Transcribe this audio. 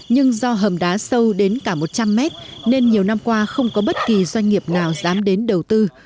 nhưng do hầm đá sâu đến cả một trăm linh mét nên nhiều năm qua không có bất kỳ doanh nghiệp nào dám đến đầu tư